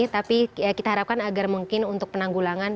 tapi kita harapkan agar mungkin untuk penanggulangan